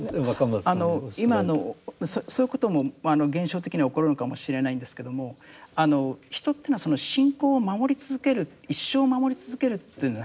今のそういうことも現象的には起こるのかもしれないんですけども人というのは信仰を守り続ける一生守り続けるというのはなかなか難しい。